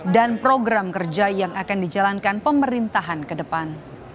dan program kerja yang akan dijalankan pemerintahan ke depan